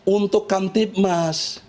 untuk kamtip mas